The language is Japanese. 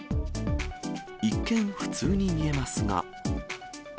一見、普通に見えますが。